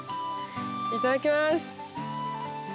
いただきます！